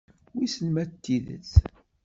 Wissen ma d tidet.